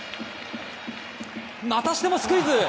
またしてもスクイズ。